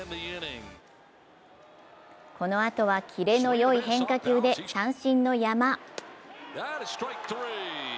このあとはキレのよい変化球で三振の山。